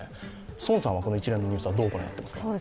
宋さんはこの一連のニュースは、どうご覧になっていますか。